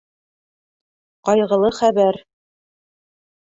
Ҡайғылы хәбәр